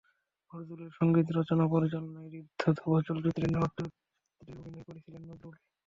নজরুলের সংগীত রচনা, পরিচালনায় ঋদ্ধ ধ্রুব চলচ্চিত্রের নারদ চরিত্রে অভিনয় করেছিলেন নজরুল।